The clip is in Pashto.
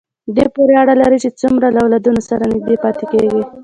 دې پورې اړه لري چې څومره له اولادونو سره نږدې پاتې کېږي.